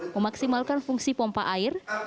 memaksimalkan fungsi pompa air